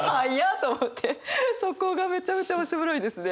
そこがめちゃめちゃ面白いですね。